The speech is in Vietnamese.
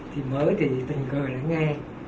thì mới thì tình cờ lại nghe